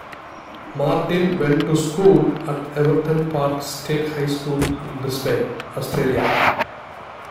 Martin went to school at Everton Park State High School in Brisbane, Australia.